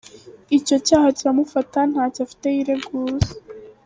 Icyo cyaha kiramufata, ntacyo afite yireguza.